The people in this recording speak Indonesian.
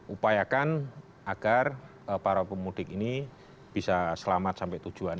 upayakan agar para pemudik ini bisa selamat sampai tujuan